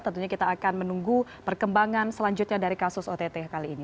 tentunya kita akan menunggu perkembangan selanjutnya dari kasus ott kali ini